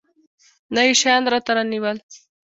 نه يې شيان راته رانيول.